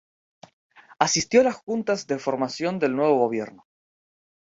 Asistió a las juntas de formación del nuevo Gobierno.